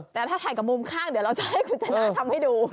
แต่ถ้าแข่งกับมุมข้างเดี๋ยวเราจะให้คุณชนะทำให้ดู